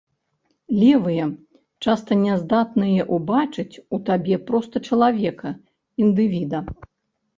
Левыя часта няздатныя ўбачыць у табе проста чалавека, індывіда.